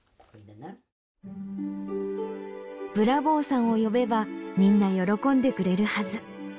ブラボーさんを呼べばみんな喜んでくれるはず。